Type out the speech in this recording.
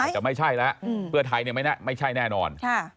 แต่ไม่ใช่แล้วเพื่อไทยไม่ใช่แน่นอน